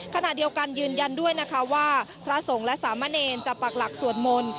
ขณะเดียวกันยืนยันด้วยนะคะว่าพระสงฆ์และสามเณรจะปักหลักสวดมนต์